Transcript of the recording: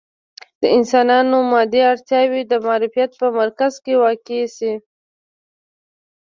د انسانانو مادي اړتیاوې د معرفت په مرکز کې واقع شي.